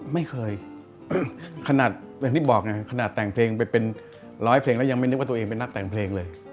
ไม่เคยขนาดอย่างที่บอกไงขนาดแต่งเพลงไปเป็นร้อยเพลงแล้วยังไม่นึกว่าตัวเองเป็นนักแต่งเพลงเลย